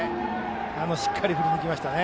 しっかり振りに行きましたね。